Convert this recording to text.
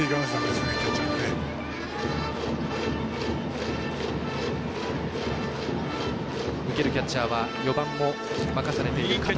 次のキャッチャーは４番も任されている片野。